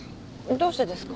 どうしてですか？